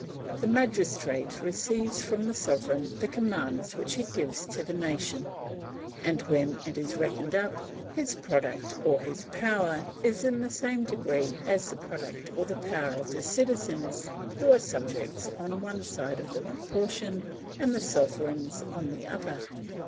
The magistrate receives from the sovereign the commands which he gives to the nation, and when it is reckoned up his product or his power is in the same degree as the product or power of the citizens who are subjects on one side of the proportion and sovereigns on the other.